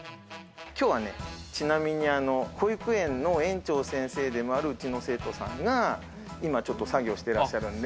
今日はちなみに、保育園の園長先生でもあるうちの生徒さんが今、ちょっと作業してらっしゃるんで。